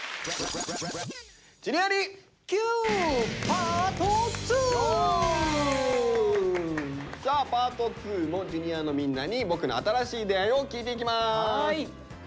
パート２！さあパート２もＪｒ．のみんなに「僕の新しい出会い」を聞いていきます！